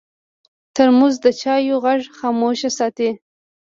ترموز د چایو غږ خاموش ساتي.